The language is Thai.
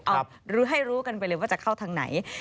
เอารู้ให้รู้กันไปเลยว่าจะเข้าทางไหน